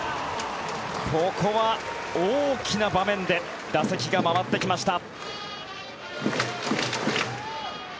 ここは大きな場面で打席が回ってきました。